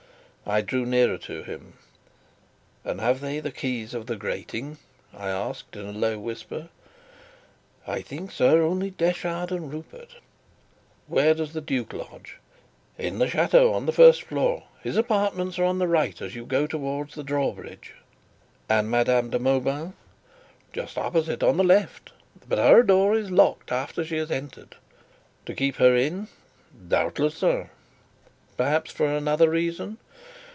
I drew nearer to him. "And have they keys of the grating?" I asked in a low whisper. "I think, sir, only Detchard and Rupert." "Where does the duke lodge?" "In the chateau, on the first floor. His apartments are on the right as you go towards the drawbridge." "And Madame de Mauban?" "Just opposite, on the left. But her door is locked after she has entered." "To keep her in?" "Doubtless, sir." "Perhaps for another reason?"